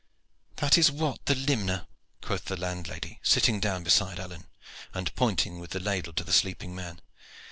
"That is Wat the limner," quoth the landlady, sitting down beside Alleyne, and pointing with the ladle to the sleeping man.